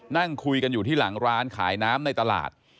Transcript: นั่งคุยกันอยู่ที่หลังร้านขายน้ำในตลาด